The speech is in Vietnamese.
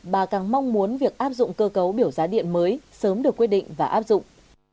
bà càng mong muốn việc áp dụng cơ cấu biểu giá điện mới sớm được quyết định và áp dụng